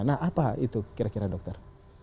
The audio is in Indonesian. nah apa itu kira kira dokter